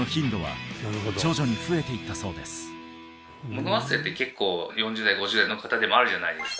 物忘れって結構４０代５０代の方でもあるじゃないですか